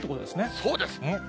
そうです。